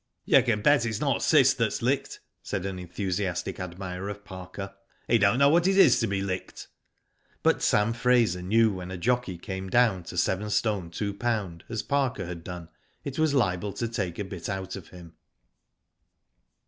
'' "You can bet it's not Cis that's licked," said an enthusiastic admirer of ' Parker. "He don't know what it is to be licked." But Sam Fraser knew when a jockey came down to yst. 2lb., as Parker had done, it was liable to take a bit out of him.